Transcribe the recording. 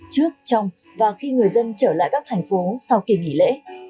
trước trong và khi người dân trở lại các thành phố sau kỳ nghỉ lễ